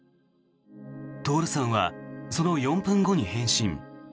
徹さんはその４分後に返信。